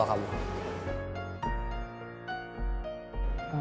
dia ke opuh gitu